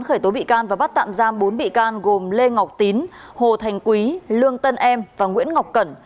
khởi tố bị can và bắt tạm giam bốn bị can gồm lê ngọc tín hồ thành quý lương tân em và nguyễn ngọc cẩn